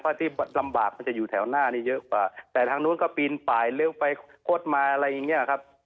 ถ้าที่ลำบากมันจะอยู่แถวหน้านี้เยอะกว่าแต่ทางนู้นก็ปีนป่ายเร็วไปคดมาอะไรอย่างเงี้ยครับ